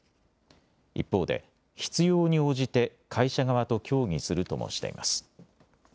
一方で必要に応じて会社側と協議するともしています。